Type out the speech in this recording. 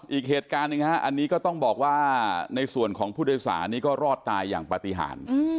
อีกเหตุการณ์หนึ่งฮะอันนี้ก็ต้องบอกว่าในส่วนของผู้โดยสารนี้ก็รอดตายอย่างปฏิหาร